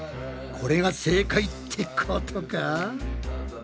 これが正解ってことか？